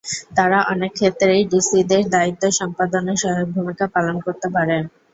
তারা অনেক ক্ষেত্রেই ডিসিদের দায়িত্ব সম্পাদনে সহায়ক ভূমিকা পালন করতে পারে।